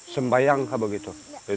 sembayang kalau begitu